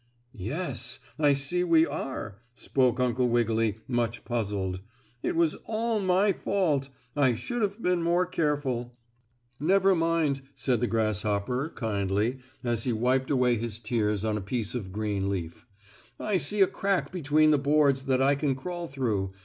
"Yes, I see we are," spoke Uncle Wiggily, much puzzled. "It was all my fault. I should have been more careful." "Never mind," said the grasshopper, kindly, as he wiped away his tears on a piece of green leaf. "I see a crack between the boards that I can crawl through.